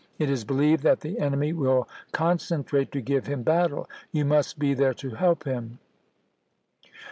It is believed that the enemy will concentrate to give him Ibid., 638. battle. You must be there to help him."